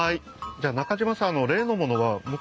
じゃあ中島さんＯＫ。